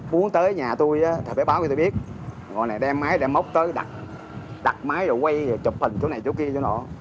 muốn tới nhà tôi thầy báo cho tôi biết ngồi này đem máy đem mốc tới đặt máy rồi quay chụp hình chỗ này chỗ kia chỗ đó